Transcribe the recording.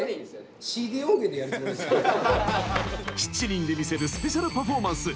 ７人で見せるスペシャルパフォーマンス